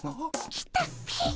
来たっピ。